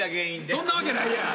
そんなわけないやん。